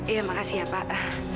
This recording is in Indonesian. ya makasih ya pak